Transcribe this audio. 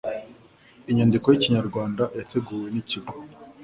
Inyandiko y'Ikinyarwanda yateguwe n'Ikigo